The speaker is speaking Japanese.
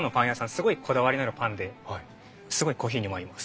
すごいこだわりのあるパンですごいコーヒーにも合います。